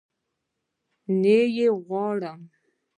نه يي غواړم